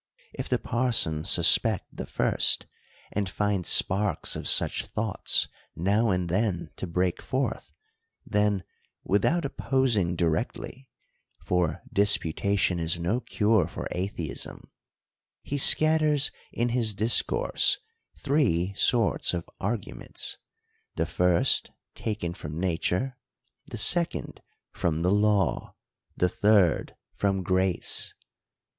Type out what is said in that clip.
If the parson suspect the first, and find sparks of such thoughts now and then to break forth, then, without opposing directly (for disputation is no cure for atheism), he scatters in his discourse three sorts of arguments ; the first taken from nature, the second from the law, the third from grace.